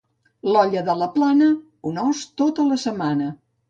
L'olla de la Plana: un os tota la setmana.